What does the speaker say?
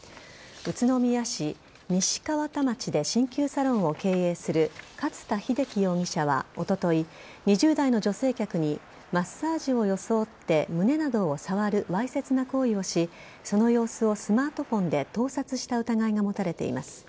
宇都宮市で鍼灸サロンを経営する勝田秀樹容疑者はおととい２０代の女性客にマッサージを装って胸などを触るわいせつな行為をしその様子をスマートフォンで盗撮した疑いが持たれています。